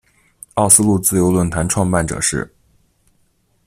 奥斯陆自由论坛创办者是。